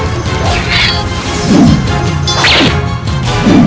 tidak ada apa apa